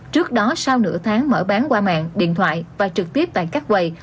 trước đó sau nửa tháng mở bán qua mạng điện thoại và trực tiếp tại các quầy